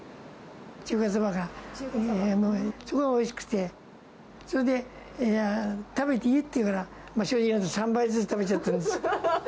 中華そばが一番おいしくて、それで、食べていいっていうから、しょうゆ味、３杯ずつ食べちゃったんです。